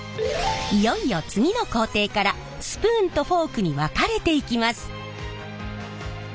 いよいよ次の工程からスプーンとフォークに分かれていきます。